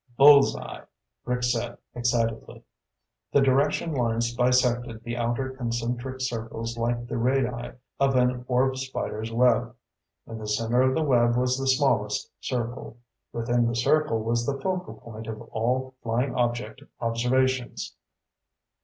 "Bull's eye!" Rick said excitedly. The direction lines bisected the outer concentric circles like the radii of an orb spider's web. In the center of the web was the smallest circle. Within the circle was the focal point of all flying object observations.